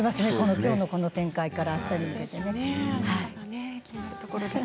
きょうのこの展開からあしたに向けて。